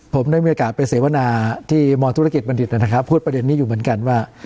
ผมได้มีโอกาสไปเสวนาที่มธุรกิจบัณฑิตนะครับพูดประเด็นนี้อยู่เหมือนกันว่า